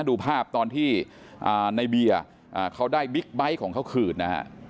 ดูภาพตอนที่ในเบียร์เขาได้บิ๊กไบท์ของเขาคืนนะฮะ